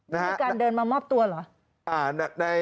มีการเดินมามอบตัวเหรอ